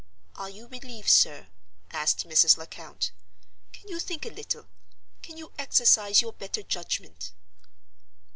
"Are you relieved, sir?" asked Mrs. Lecount. "Can you think a little? Can you exercise your better judgment?"